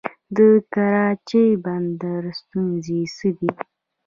د کراچۍ بندر ستونزې څه دي؟